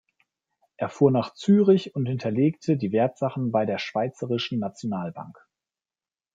Er fuhr nach Zürich und hinterlegte die Wertsachen bei der Schweizerischen Nationalbank.